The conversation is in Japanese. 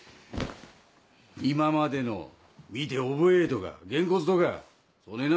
今までの「見て覚えぇ！」とかげんこつとかそねぇ